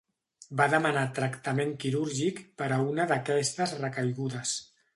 Va demanar tractament quirúrgic per a una d'aquestes recaigudes.